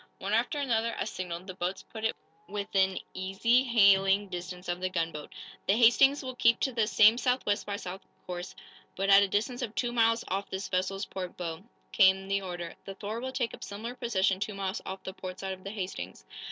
One after another, as signaled, the boats put in within easy hailing distance of the gunboat. "The 'Hastings' will keep to the same South West, by South course, but at a distance of two miles off this vessel's port bow," came the order. "The 'Thor' will take up similar position, two miles off the port side of the 'Hastings.'"